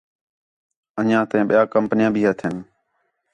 انہیاں تیاں ٻِیا کمپنیاں بھی ہتھیں